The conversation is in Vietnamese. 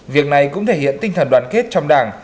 việc này cũng thể hiện tinh thần đoàn kết trong đảng